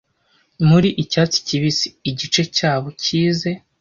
Muri icyatsi kibisi, igice cyabo cyize--